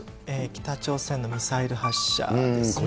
北朝鮮のミサイル発射ですね。